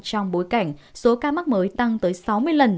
trong bối cảnh số ca mắc mới tăng tới sáu mươi lần